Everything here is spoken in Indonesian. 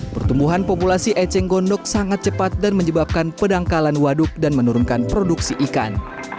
pertumbuhan populasi eceng gondok sangat cepat dan menyebabkan pedangkalan waduk dan menurunkan produksi ikan